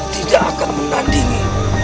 tidak akan mengandungi